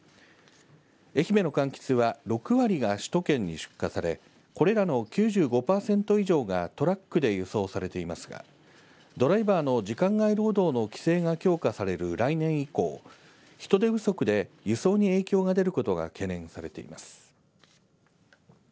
愛媛のかんきつは６割が首都圏に出荷されこれらの９５パーセント以上がトラックで輸送されていますがドライバーの時間外労働の規制が強化される来年以降人手不足で輸送に影響が出ることが懸念されています。